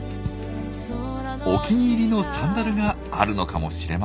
お気に入りのサンダルがあるのかもしれませんね。